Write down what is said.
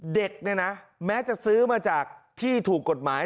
เด็กเนี่ยนะแม้จะซื้อมาจากที่ถูกกฎหมาย